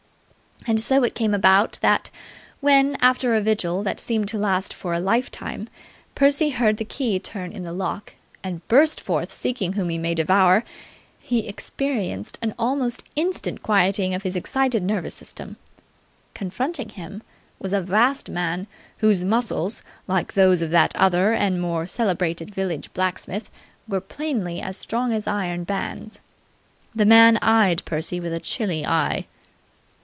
And so it came about that when, after a vigil that seemed to last for a lifetime, Percy heard the key turn in the lock and burst forth seeking whom he might devour, he experienced an almost instant quieting of his excited nervous system. Confronting him was a vast man whose muscles, like those of that other and more celebrated village blacksmith, were plainly as strong as iron bands. This man eyed Percy with a chilly eye.